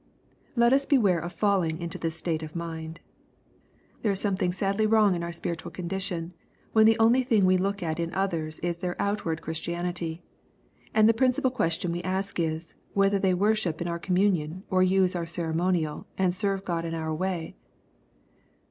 Let us beware of falling into this state of mind. There is something sadly wrong in our spiritual condition, when the only thing we look at in others is their out ward Christianity, and the principal question we ask is, whether they worship in our communion, and use our ceremonial, and serve God in our way.